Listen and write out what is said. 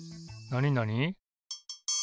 なになに？